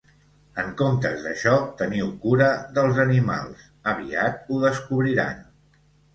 En comptes d'això, teniu cura dels animals, aviat ho descobriran.